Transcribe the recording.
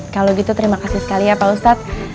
kalau gitu terima kasih sekali ya pak ustadz